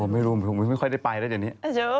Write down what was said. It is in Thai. ไม่รู้ไม่ค่อยได้ไปเลยแจ็งนี้